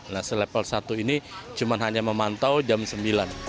nah selevel satu ini cuma hanya memantau jam sembilan